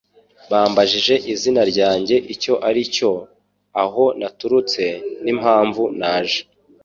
Bambajije izina ryanjye icyo ari cyo, aho naturutse, n'impamvu naje.